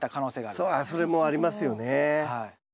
あっそれもありますよね。